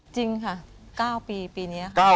จริงค่ะ๙ปีปีนี้ค่ะ